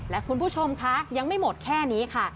และคุณผู้ชมคะยังไม่หมดแค่นี้ค่ะ